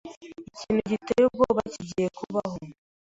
Ikintu giteye ubwoba kigiye kubaho.